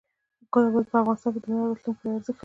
کابل په افغانستان کې د نن او راتلونکي لپاره ارزښت لري.